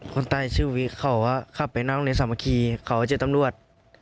คนตายชื่อวิคเขาว่าขับไปนั่งเรียนสามัคคีเขาว่าเจ็บตำรวจ